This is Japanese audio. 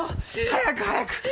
早く早く！